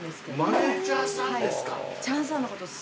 マネージャーさんですか。